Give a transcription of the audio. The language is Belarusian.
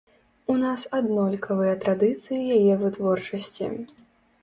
У нас аднолькавыя традыцыі яе вытворчасці.